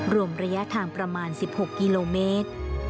รวมระยะทางประมาณ๑๖กิโลเมตร